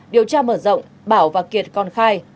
điều tra mở rộng bảo và kiệt còn khai